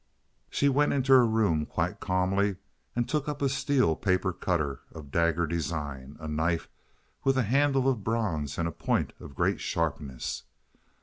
She went into her room quite calmly and took up a steel paper cutter of dagger design—a knife with a handle of bronze and a point of great sharpness.